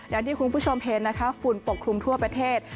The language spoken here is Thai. อย่างที่คุณผู้ชมเห็นนะคะฝุ่นปกคลุมทั่วประเทศ